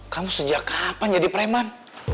kamu sejak kapan jadi preman